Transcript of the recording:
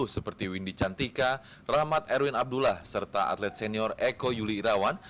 seperti windy cantika rahmat erwin abdullah serta atlet senior eko yuli irawan